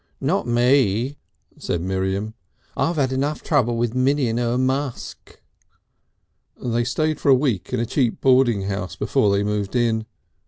"Not me," said Miriam. "I've 'ad trouble enough with Minnie and 'er musk...." They stayed for a week in a cheap boarding house before they moved in.